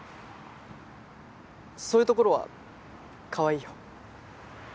そういうところはかわいいよ。